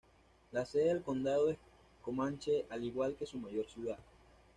La sede del condado es Comanche, al igual que su mayor ciudad.